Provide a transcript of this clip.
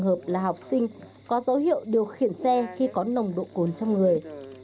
trường hợp là học sinh có dấu hiệu điều khiển xe khi có nồng độ cồn trong người